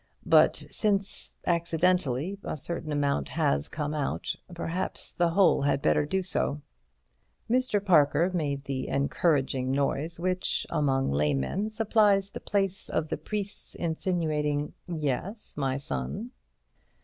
But since—accidentally—a certain amount has come out, perhaps the whole had better do so." Mr. Parker made the encouraging noise which, among laymen, supplies the place of the priest's insinuating, "Yes, my son?"